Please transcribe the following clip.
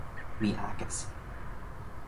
mi akesi.